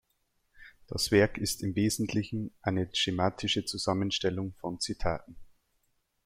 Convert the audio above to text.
Das Werk ist im Wesentlichen eine schematische Zusammenstellung von Zitaten.